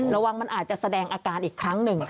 ระวังมันอาจจะแสดงอาการอีกครั้งหนึ่ง